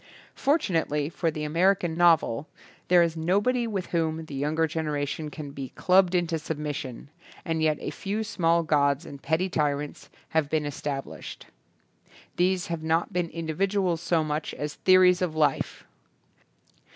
Fortunately for the American novel there is nobody with whom the younger generation can be clubbed into submission, and yet a few small gods and petty tyrants have been es tablished. These have not been indi viduals so much as theories of life.